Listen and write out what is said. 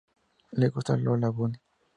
Le gusta Lola Bunny.